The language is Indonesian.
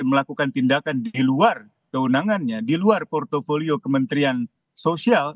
melakukan tindakan di luar kewenangannya di luar portfolio kementerian sosial